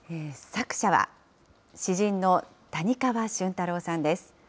作者は、詩人の谷川俊太郎さんです。